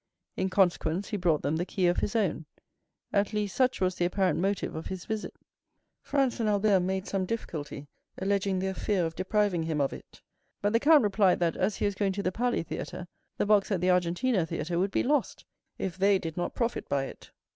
In consequence, he brought them the key of his own—at least such was the apparent motive of his visit. Franz and Albert made some difficulty, alleging their fear of depriving him of it; but the count replied that, as he was going to the Palli Theatre, the box at the Argentina Theatre would be lost if they did not profit by it.